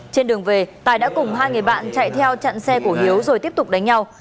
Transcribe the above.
trên đường về tài đã cùng hai người bạn chạy theo chặn xe của hiếu rồi tiếp tục đánh nhau